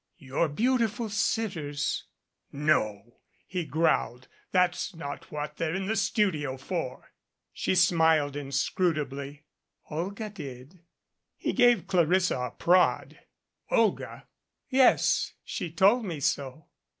"Your beautiful sitters." "No," he growled. "That's not what they're in the studio for." She smiled inscrutably. "Olga did." He gave Clarissa a prod. "Olga?" "Yes. She told me so."